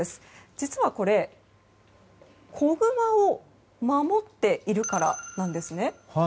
実はこれ、子グマを守っているからなんですね。